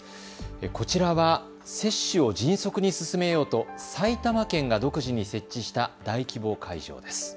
こちらは接種を迅速に進めようと、埼玉県が独自に設置した大規模会場です。